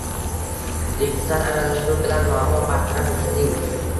Deputat aralashuvi bilan muammo bartaraf etilding